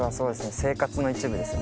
生活の一部ですね。